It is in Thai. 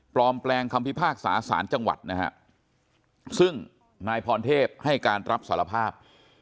แปลงคำพิพากษาสารจังหวัดนะฮะซึ่งนายพรเทพให้การรับสารภาพ